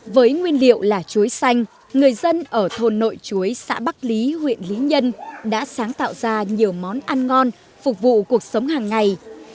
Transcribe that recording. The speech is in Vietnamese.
với nguyên liệu là chuối xanh người dân ở thôn nội chuối xã bắc lý huyện lý nhân đã sáng tạo ra nhiều món ăn ngon phục vụ cuộc sống hàng ngày